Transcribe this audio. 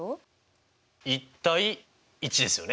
１：１ですよね。